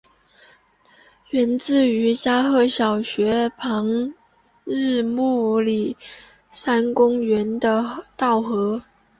源自于加贺小学校旁日暮里山公园的稻荷。